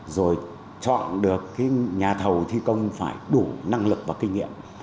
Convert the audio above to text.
rồi chọn được nhà thầu thi công phải đủ năng lực và kinh nghiệm